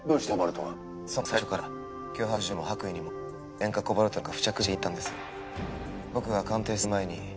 そもそも最初から脅迫状にも白衣にも塩化コバルトなんか付着していなかったんです。